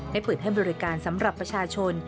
เปิดให้บริการสำหรับประชาชน